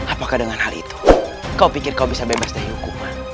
apakah dengan hal itu kau pikir kau bisa bebas dari hukuman